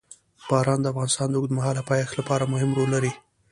باران د افغانستان د اوږدمهاله پایښت لپاره مهم رول لري.